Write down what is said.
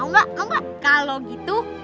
mau gak kalo gitu